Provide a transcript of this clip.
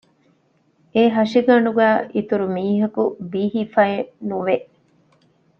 އެހަށިގަނޑުގައި އިތުރުމީހަކު ބީހިފައއެއްނުވެ